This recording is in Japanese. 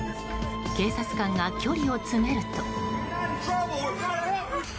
警察官が距離を詰めると。